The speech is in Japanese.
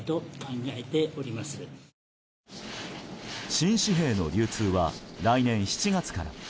新紙幣の流通は来年７月から。